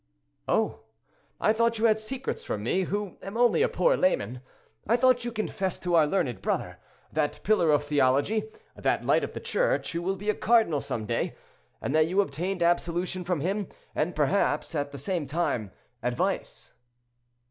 "Oh! I thought you had secrets from me, who am only a poor layman. I thought you confessed to our learned brother, that pillar of theology, that light of the Church, who will be a cardinal some day, and that you obtained absolution from him, and perhaps, at the same time, advice."